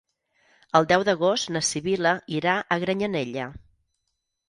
El deu d'agost na Sibil·la irà a Granyanella.